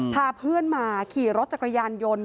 พาเพื่อนมาขี่รถจักรยานยนต์